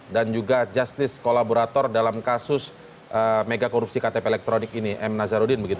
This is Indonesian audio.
dan juga justice collaborator dalam kasus mega korupsi ktp elektronik ini m nazarudin